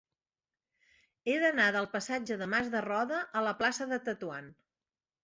He d'anar del passatge de Mas de Roda a la plaça de Tetuan.